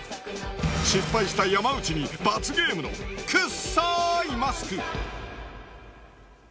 失敗した山内に罰ゲームのくっさいマスク。